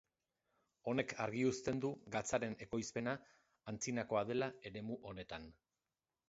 Honek argi uzten du gatzaren ekoizpena antzinakoa dela eremu honetan.